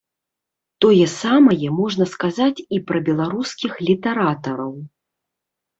Тое самае можна сказаць і пра беларускіх літаратараў.